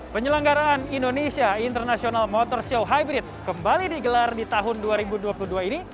penyelenggaraan indonesia international motor show hybrid kembali digelar di tahun dua ribu dua puluh dua ini